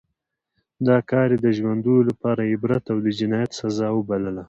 دا کار یې د ژوندیو لپاره عبرت او د جنایت سزا وبلله.